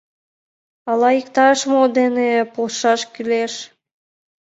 Ала иктаж-мо дене полшаш кӱлеш?